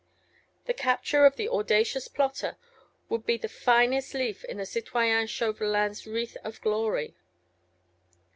The capture of the audacious plotter would be the finest leaf in Citoyen Chauvelin's wreath of glory.